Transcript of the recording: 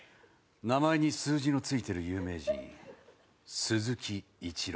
名前に数字のついてる有名人鈴木一朗